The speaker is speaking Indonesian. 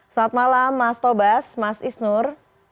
selamat malam mas tobas mas isnur